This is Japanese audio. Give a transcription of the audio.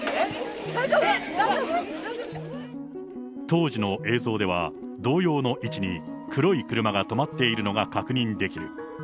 当時の映像では、同様の位置に、黒い車が止まっているのが確認できる。